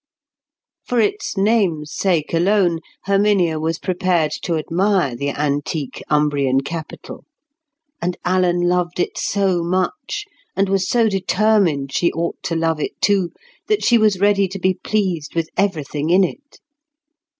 For its name's sake alone, Herminia was prepared to admire the antique Umbrian capital. And Alan loved it so much, and was so determined she ought to love it too, that she was ready to be pleased with everything in it.